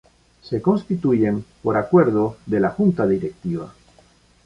Se constituyen por acuerdo de la Junta Directiva.